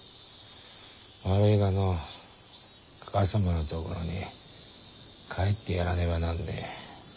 悪いがのかか様のところに帰ってやらねばなんねえ。